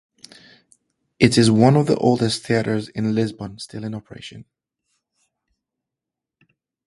It is one of the oldest theatres in Lisbon still in operation.